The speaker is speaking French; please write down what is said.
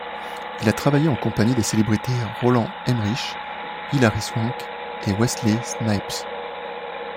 Il a travaillé en compagnie des célébrités Roland Emmerich, Hilary Swank et Wesley Snipes.